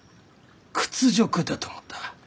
屈辱だと思った。